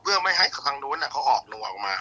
เพื่อไม่ให้ข้างนู้นออกหนัวออกมา